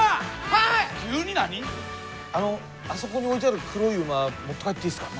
あのあそこに置いてある黒い馬持って帰っていいっすか？